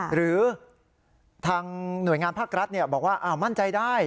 หรือทางหน่วยงานภาครัฐบอกว่ามั่นใจได้